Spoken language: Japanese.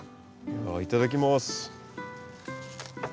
いただきます。